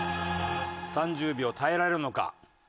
３０秒耐えられるのか？